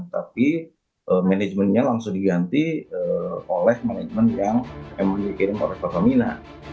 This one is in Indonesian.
tapi manajemennya langsung diganti oleh manajemen yang mui dikirim oleh pertamina